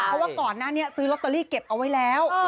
เพราะว่าก่อนหน้านี้ซื้อลอตเตอรี่เก็บเอาไว้แล้ว